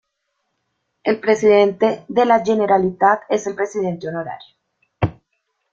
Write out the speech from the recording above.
El presidente de la Generalitat es el presidente honorario.